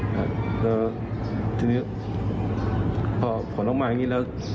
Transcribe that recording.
แล้วจริงต้องผลออกมาอย่างงี้